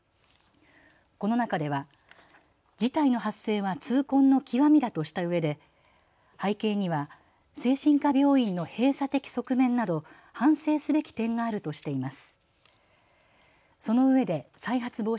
この中では事態の発生は痛恨の極みだとしたうえで背景には精神科病院の閉鎖的側面など反省すべき点があるとしています。